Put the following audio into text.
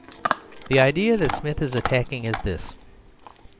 "The idea that Smith is attacking is this.